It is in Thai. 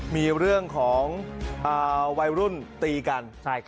มีเรื่องของวัยรุ่นตีกัน